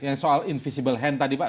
yang soal invisible hand tadi pak